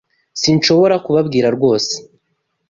Sinshobora kubabwira rwose.